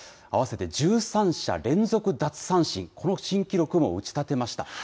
合わせて１３者連続奪三振、この新記録も打ち立てました。